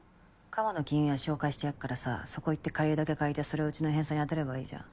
カモの金融屋紹介してやっからさそこ行って借りるだけ借りてそれをうちの返済に充てればいいじゃん。